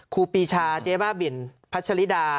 ครูปีชาเจ๊บ้าบินพัชริดา